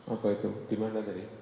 apa itu di mana tadi